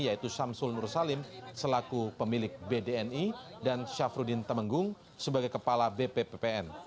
yaitu samsul nur salim selaku pemilik bdni dan syafruddin temenggung sebagai kepala bppn